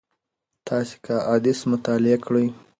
تاسي که احاديث مطالعه کړئ